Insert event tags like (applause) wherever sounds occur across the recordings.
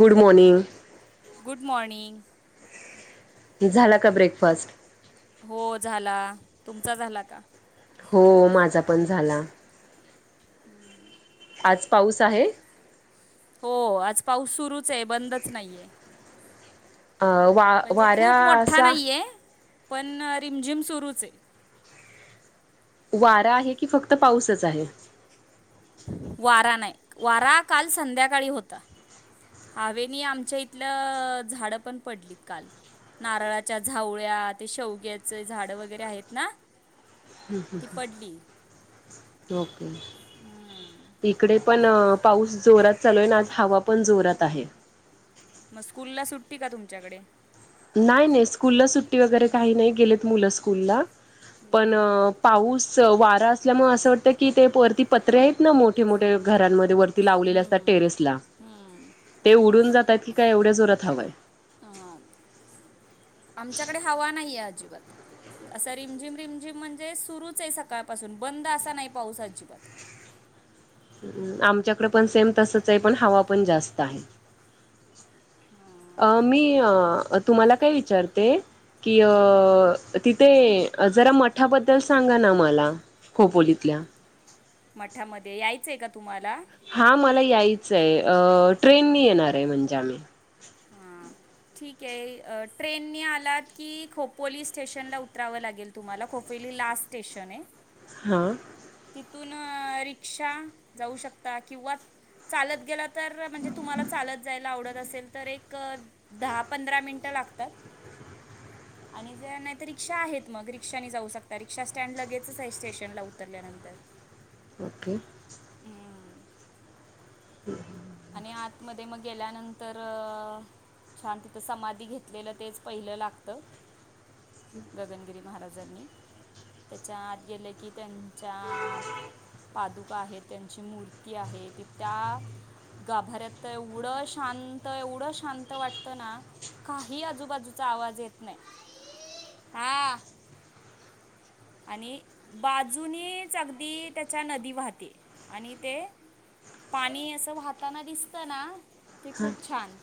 Good morning. Good morning. झाला का breakfast? हो झाला. तुमचा झाला का? हो माझा पण झाला. (unintelligible) आज पाऊस आहे? हो आज पाऊस सुरूच आहे बंदच नाहीये. अ वा म्हणजे वाऱ्या खूप मोठा असा नाहीये पण रिमझिम सुरूच आहे. वारा आहे की फक्त पाऊसच आहे. वारा नाही, वारा काल संध्याकाळी होता. हवेनी आमच्या इथलं झाडं पण पडलीत काल. नारळाच्या झावळ्या ते शेवग्यांचे झाडं वगैरे आहेत ना हम हं ती हं. पडली (unintelligible) हम्म. तिकडेच. पण पाऊस जोरात चालू आहे ना आज हवा पण जोरात आहे. मग स्कूल ला सुट्टी का तुमच्याकडे? नाही नाही स्कूल ला सुट्टी वगैरे काही नाही गेलेत मुलं स्कूलला. पण पाऊस वारा असल्यामुळे असं वाटतंय कि ते वरती पत्रे आहेत ना मोठे मोठे घरांमध्ये वर हम्म हम्म. ते उडून जातात की काय एवढ्या जोरात हवा आहे. आ.. आमच्याकडे हवा नाहीये अजिबात. असा रिमझिम, रिमझिम म्हणजे सुरूच आहे सकाळपासून बंद असा नाही पाऊस अजिबात. आमच्याकडे पण सेम तसंच आहे पण हवा पण जास्त आहे. अ मी अ तुम्हाला काय विचारते? कि अ तिथे जरा मठाबद्दल सांगाना मला. खोपोलीतल्या. मठामध्ये यायचंय का तुम्हाला? हा मला यायचंय, अ ट्रेनने येणार आहे म्हणजे आम्ही. हां. ठीक आहे, ट्रेननी आलात की खोपोली स्टेशनला उतरावं लागेल. तुम्हाला खोफेली लास्ट स्टेशन आहे. हां. तिथून रिक्षा जाऊ शकता किंवा चालत गेलात तर म्हणजे तुम्हाला चालत जायला आवडत असेल तर एक दहा, पंधरा मिनटं लागतात. आणि जर नाही तर रिक्षा आहेत मग रिक्षाने जाऊ शकता रिक्षा स्टँड लगेचच आहे स्टेशनला उतरल्या नंतर. ओके. ह.. (inaudible) आणि आतमध्ये मग गेल्यानंतर छान तिथं समाधी घेतलेलं तेच पहिलं लागतं‌ गगनगिरी महाराजांनी. त्याच्या आत गेले की त्यांच्या पादुका आहेत त्यांची मूर्ती आहे ती त्या गाभाऱ्यात तर एवढं शांत, एवढं शांत वाटतं ना काही आजूबाजूचा आवाज येत नाही आई हा.. आणि बाजूनेच अगदी त्याच्या नदी वाहतीये आणि ते पाणी असं वाहताना दिसतं ना ते हां खूप छान.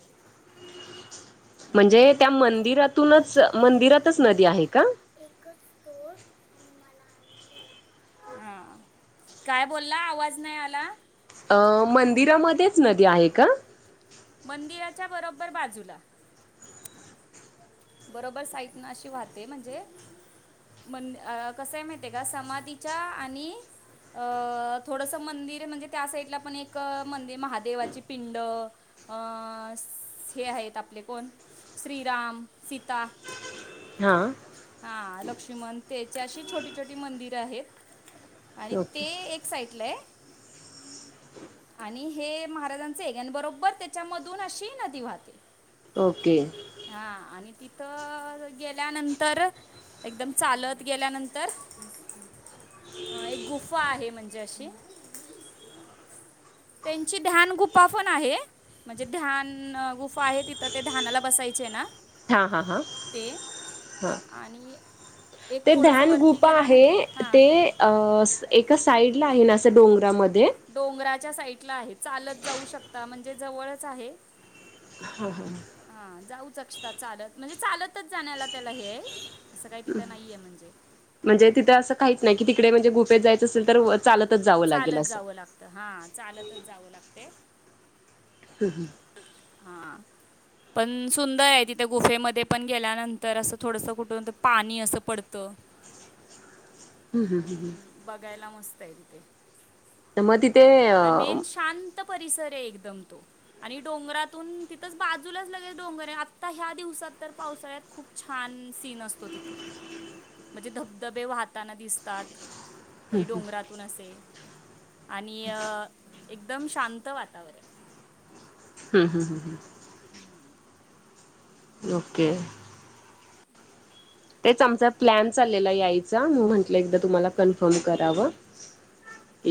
म्हणजे त्या मंदिरातूनच मंदिरातच नदी आहे का? एकच तो हां काय बोलला आवाज नाही आला? मंदिरामध्येच नदी आहे का? मंदिराच्या बरोबर बाजूला. बरोबर साईट ने अशी वाहते म्हणजे मंद कस हाय माहिती आहे का समाधीच्या आणि अ थोडस मंदिर म्हणजे त्या साईडला पण एक मंदिर महादेवाची पिंड अ हे आहेत आपले कोण श्रीराम, सीता हां.. हा लक्ष्मण ते अशी छोटी, छोटी मंदिर आहेत आणि ओके ते एक साईटला आहे. आणि हे महाराजांचे हे आणि बरोबर त्याच्यामधून अशी नदी वाहते. ओके. हा आणि तिथं गेल्यानंतर एकदम चालत गेल्यानंतर अ -एक गुफा आहे म्हणजे अशी. त्यांची ध्यान गुफा पण आहे. म्हणजे ध्यान गुफा आहे तिथं ते ध्यानाला बसायचे ना. हां हां हां ते हां. आणि एक ते थोडंसं ध्यान वरती गुफा गेल्यानं आहे हां ते अ -एका साईडला आहे नां डोंगरामध्ये. डोंगराच्या साईडला आहे चालत जाऊ शकता म्हणजे जवळच आहे. हा हा. हा जाऊ चकता चालत म्हणजे चालतच जाण्याला त्याला हे हाय. असं काय तिथं नाहीये म्हणजे. म्हणजे तिथं असं काहीच नाय की तिकडे म्हणजे गुफेत जायं असेल तर चातत चालत जावं लागत हा चालतच जावं लागते. हम् हम्. हा. पण सुंदर आहे तिथे गुफेमध्ये पण गेल्यानंतर असं थोडंस कुठून त पाणी असं पडतं. हम् हम् हम्. हम्म, बघायला मस्त आहे तिथे तर मग तिथे अ मेन शांन त परिसरये एकदम तो. आणि डोंगरातून तिथंच बाजूलाच लगेल डोंगरये आत्ता ह्या दिवसात तर पावसाळ्यात खूप छान सीन असतो तिथ म्हणजे धबधबे वाहताना दिस तात म्हणजे डोंगरातून असे आणि एकदम शांत वातावरण. हम् हम् हम् हम्. हम्म. ओके. तेच आमचा प्लॅन चाललेला यायचा म म्हटलं एकदा तुम्हाला कन्फर्म करावं.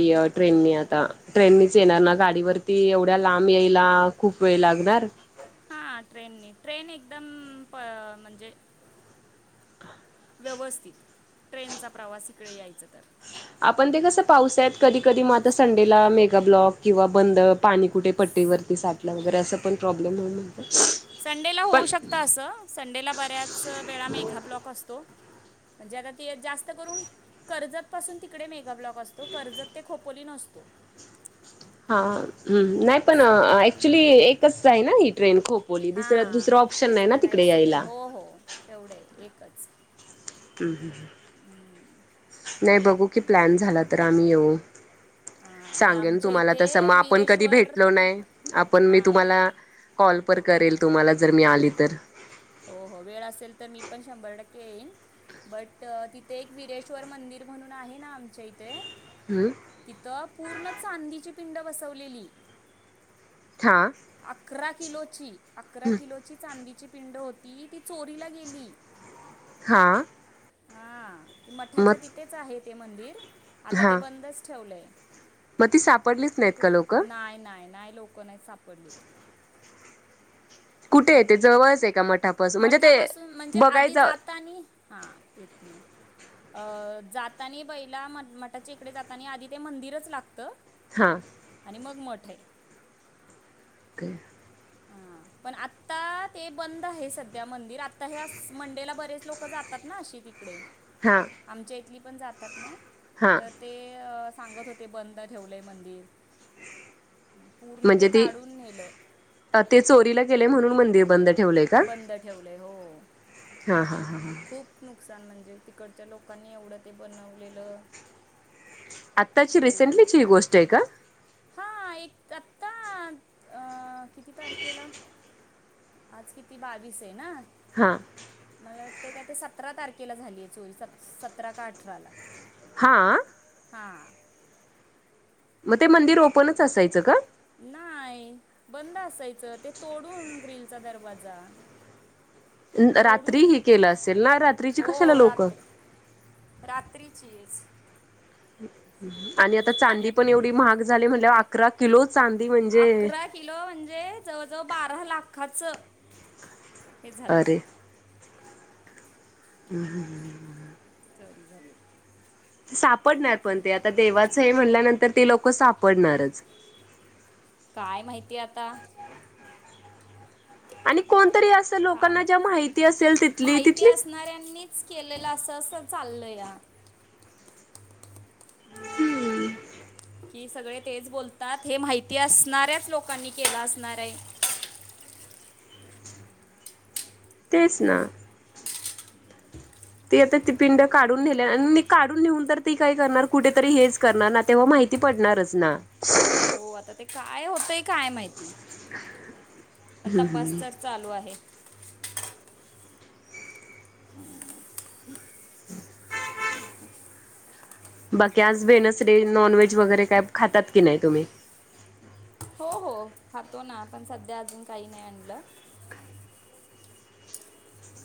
य ट्रेननी आता ट्रेननीच येणार ना गाडीवरती एवढ्या लांब यायला खूप वेळ लागणार. हा ट्रेननी ट्रेन एकदम प - म्हणजे व्यवस्थित ट्रेनचा प्रवास इकडे यायचं तर. आपण ते कसं पावसाळयात कधी कधी म आता पाऊस सं डेला मेगा ब्लॉक किंवा बंद पाणी कुठे पट्टीवरती साठलं हो. वगैरे असं पण प्रॉब्लेम होय म्हणत संडेला होऊ शकता असं संडेला बऱ्याच वेळा मेघा ब्लॉक असतो. म्हणजे आता ती जास्त करून कर्जतपासून तिकडे मेगाब्लॉक असतो कर्जत ते खोपोली नसतो. हा नाय पण असं आहे ऍक्च्युली हम्म. एकच हाय ना ही ट्रेन खूप. बोली हां दुस-दुसरं ऑप्शन तेच नाय ना तिकडे रायसी यायला. हो हो. तेवढेय एकच. हम् हम् नाय बघू की प्लॅन थँक्यू. झाला तर आम्ही येऊ. हा आणि सांगेन आमच्या तुम्हाला तसं इथे मग आपण कधी विरेश्वर भेटलो ति नाय आपण मी हां हां तुम्हाला कॉल पर करेल तुम्हाला जर मी आली तर. हो हो वेळ असेल तर मी पण शंभर टक्के येईन. बट तिथे एक विरेश्वर मंदिर म्हणून आहे ना आमच्या इथे. हमं. तिथं, पूर्ण चांदीची पिंड बसवलेली. हां आकरा किलोची, आकरा किलोची चांदीची पिंड हो ती. ती चोरीला गेली. हां. हां. ते मठाच्या मग तिथेच आहे ते मंदिर. आता ते बंदच ठेवलंय. म ती सापडलीच नाहीत का लोक? नाय नाय नाय लोक नाही सापडलीत. कुठे ये ते जवळच हाय का? मठापासून म्हणजे ते बघायचं. आता आणि हा एक मिनिट. अ जातानी बैला म मठाच्या इकडे जातानी आधी ते मंदिरच लागतं. हा. आणि मग मठ हाय. काय? हां. पण आत्ता ते बंद हाय सध्या मंदिर, आता ह्यास मंडेला बरेच लोक जातात ना अशी ती. तीकडे. हा. आमच्या इथली पण जातात ना, हा तर ते अ सांगत होते. ते बंद ठेवलंय मंदिर. पूर्ण ते काढून नेलं. हा ते चोरीला गेले म्हणून मंदिर बंद ठेवलय का? बंद ठेवलंय हो. हा हा हा हा. खूप नुकसान म्हणजे तिकडच्या लोकांनी एवढं ते बनवलेलं. आत्ताची रिसेंटलीची ही गोष्ट आहे का? हा एक आत्ता अ किती तारखेला? आज किती बावीस हय ना? हां. मला वाटते काय ते, सतरा तारखेला झालीय चोरी स सतरा का अठराला हां आ. हां. म ते मंदिर ओपनच असायचं का? नाय बंद असायचं, ते तोडून ग्रिलचा दरवाजा न रात्री तोडून ही केलं असेल ना? रात्रीची कशाला हो लोकं रात्री रात्रीचीच. आणि आता चांदी पण एवढी महाग झाली म्हणल्यावर, अकरा किलो चांदी म्हणजे अकरा किलो म्हणजे जवळजवळ बारा लाखच हे झालय. अरे हू हू हू. चोरी झाली. सापडणार, पण ते आता देवाचं हे म्हणल्यानंतर ते लोक सापडणारच. काय माहिती आता? आणि कोणतरी असं काय लोकांना ज्या होत माहिती असेल तिथली, माहिती तिथलीच असणाऱ्यांनीच केलेलं असं अस चाललया. हम्म (inaudible) की सगळे तेच बोलतात हे माहिती असणाऱ्याच लोकांनी केला असणार आहे. तेच ना. ती आता ती पिंड काढून नेले आणि काढून नेऊन तर ती काय करणार कुठेतरी हेच करणार तेव्हा माहिती पडणारच ना. हो आता ते काय होतंय काय माहिती पण तपास तर चालू आहे. हम्म. बाकी आज वेणजडे नॉनव्हेज वगैरे काय खातात की नाही तुम्ही? हो हो खातो ना पण सध्या अजून काही नाही आणलं.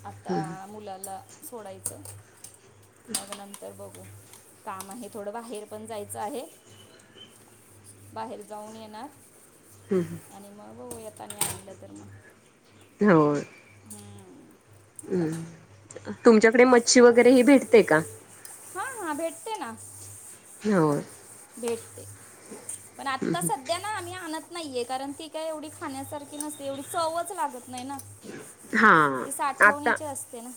आता मुलाला सोडायचं मी नंतर बघू. काम आहे थोडं बाहेर पण जायचं आहे. बाहेर जाऊन येणार. हम्म, हम्म. आणि मग बघु येतानी आणलं तर मग. होय. हम्म. हम्म तुमच्याकडे मच्छी वगैरे ह भेटते का? हा हा भेटते ना हो भेटते. पण आता सध्या आता आम्ही आणत नाहीये कारण ती काय एवढी खाण्यासारखी नसते एवढी चवच लागत नाहीना. हा ते आता साठवणीचे असतेना.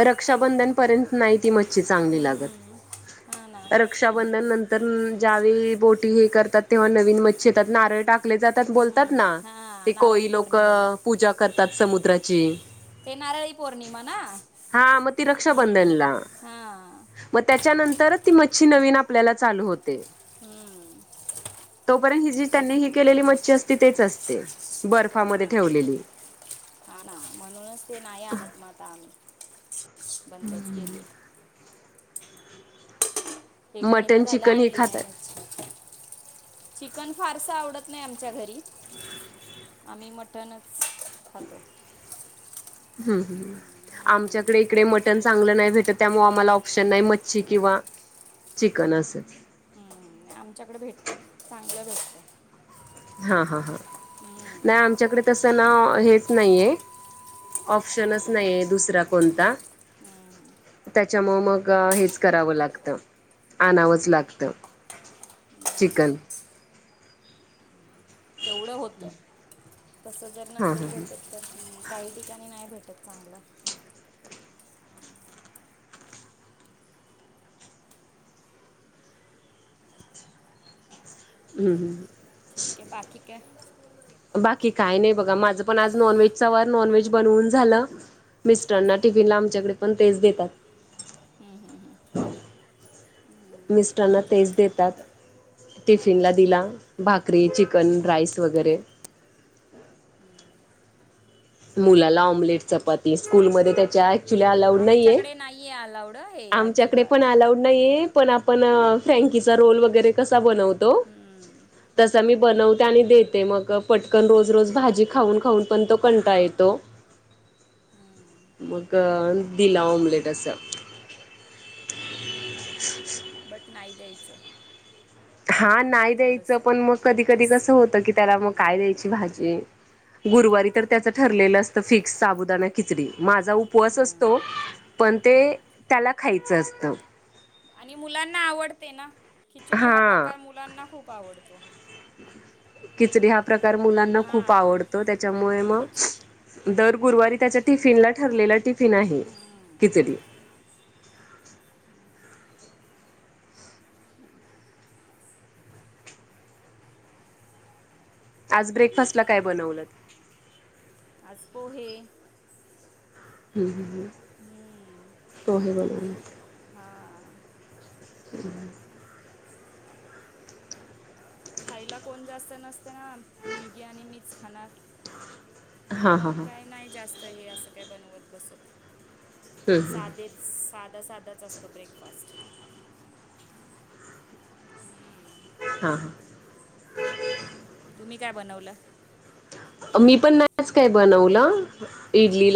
रक्षाबंधन पर्यंत नाही ती मच्छ चांगली लागत. हम्म हा ना रक्षाबंधन नंतर ज्यावेळी बोटी हे करतात तेव्हा नवीन मच्छेयेतात नारळ टाकत टाकले जातात बोलतात हम्म ना हा ते नारळी कोळी लोक पौर्णिमेला पूजा करतात समुद्राची. ते नारळी पौर्णिमा ना हा मग ती हम्म रक्षाबंधनला हा. मग त्याच्यानंतरच ती मच्छी नवीन आपल्याला चालू होते. हम्म तोपर्यंत हि जी त्यांनी तेच ही ना केलेली मच्छी असते. तिथेच असते हो बर्फामध्ये ना ठेवलेली. हा ना म्हणूनच ते नाही आणत म आता आम्ही बंदच केली आहे. एक महिना मटन झाला चिकन हे आणली नाही खातात भाजी चिकन फारसं आवडत नाही आमच्या घरी आम्ही मटणच खातो. हम्म. हम्म आमच्याकडे इकडे मटन चांगलं नाही भेटत त्यामुळे आम्हाला ऑप्शन नाही मच्छी किंवा चिकन असल. हम्म, आमच्याकडे भेटत चांगलं भेटतं. हा हा हा हम्म, नाही आमच्याकडे तसं ना हेच नाही आहे ऑप्शनच नाही आहे दुसरा कोणता. हम्म. त्याच्यामुळ मग हेच करावं लागत आणावंच लागतं. चिकन. तेवढं होतं तसं जर हां नसेल हां हां भेटत तर काही ठिकाणी नाही भेटत चांगलं. हम्म. ठीक आहे बाकी काय? बाकी काय नाही बघा माझं पण आज नॉनव्हेजचा वर नॉनव्हेज बनवून झालं. मिस्टरांना टिफिन ला आमच्याकडे पण तेच देतात. हम्म हम्म हम्म! मिस्टरांना तेज आमच्याकडे देतात. हां. टिफिनला दिला भाकरी, चिकन, राईस वगैरे. मुलाला ऑमलेट चपाती स्कूलमध्ये त्याच्या ॲक्चुली अलाऊड नाही आहे, आमच्याकडे नाही आहे अलाउड हे आमच्याकडे पण अजिबात अलाऊड नाहीये. पण आपण फ्रँकीचा रोल वगैरे कसा बनवतो? हम्म! तसा मी बनवते आणि देते मग पटकन रोज रोज भाजी खाऊन खाऊन पण तो कंट ला येतो मग दिला ऑमलेट असा‌. बट नाही द्यायचं. हा नाही द्यायचं थोडंसं पण मग कधी कधी ॲडजस्ट कसं होतं की त्याला मग काय द्यायची भाजी. गुरुवारी तर त्याचं ठरलेलं असतं फिक्स साबुदाणा खिचडी माझा उपवास असतो. पण ते त्याला खायचं असतं. आणि मुलांना आवडते ना खिचडी हा प्रकार मुलांना खूप आवडतो. खिचडी हा प्रकार मुलांना खूप हां आवडतो त्याच्यामुळे मग खिचडी दर गुरुवारी त्याच्या टिफिनला ठरलेला टिफिन आहे हम्म. किचडी. आज ब्रेकफास्ट ला काय बनवलं? आज पोहे. हम हम पोहे बनवलं ‌. हां. हम्म! खायला कोण जास्त नसते ना, मुलगी आणि मीच खाणार. हां मग हां हां काय नाही जास्त हे असं काय बनवत बसत साधे साधा साधाच असतो ब्रेकफास्ट. हम्म! हा! तुम्ही काय बनवलं? हां मी पण नाही आज काय बनवलं इडलीला